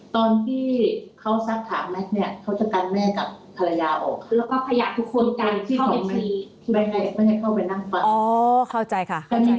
ของแม็กซ์น่าจะนานนานกว่า